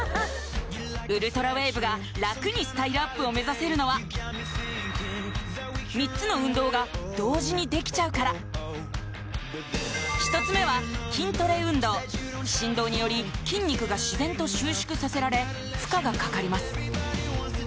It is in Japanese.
ウルトラウェーブが楽にスタイルアップを目指せるのは３つの運動が同時にできちゃうから１つ目は筋トレ運動振動により筋肉が自然と収縮させられ負荷がかかります